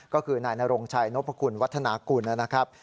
ก็คือนายนรงชัยนพคุณวัฒนากุลนะครับ